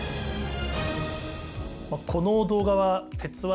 この動画は「鉄腕！